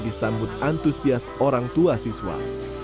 disambut antusias orang tua siswa